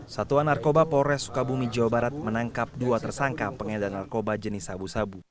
satuan narkoba polres sukabumi jawa barat menangkap dua tersangka pengedar narkoba jenis sabu sabu